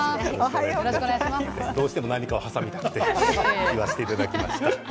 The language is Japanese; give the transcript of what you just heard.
どうしても何かを挟みたくて言わせてもらいました。